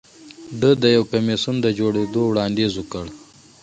ده د یو کمېسیون د جوړېدو وړاندیز وکړ